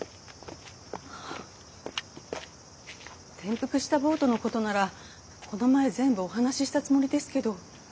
転覆したボートのことならこの前全部お話ししたつもりですけど。